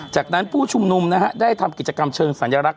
จากนั้นผู้ชุมนุมนะฮะได้ทำกิจกรรมเชิงสัญลักษณ